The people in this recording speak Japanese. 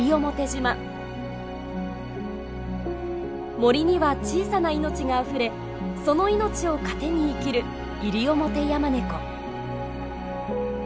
森には小さな命があふれその命を糧に生きるイリオモテヤマネコ。